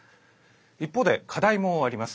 一方で、課題もあります。